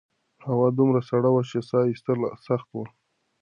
هوا دومره سړه وه چې سا ایستل سخت وو.